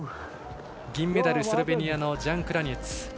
銀メダル、スロベニアのジャン・クラニェツ。